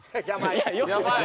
いやよくない。